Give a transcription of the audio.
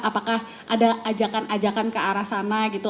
apakah ada ajakan ajakan ke arah sana gitu